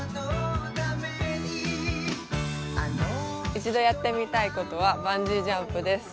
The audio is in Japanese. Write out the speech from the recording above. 一度やってみたいことはバンジージャンプです。